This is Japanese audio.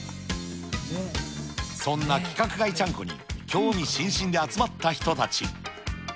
そんな規格外ちゃんこに、興味津々で集まった人たち。